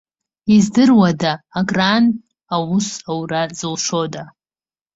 Издыруада, акран аус арура зылшода?